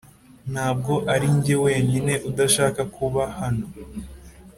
ntabwo arinjye wenyine udashaka kuba hano.